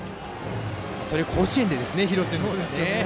それを甲子園で披露するんですからね。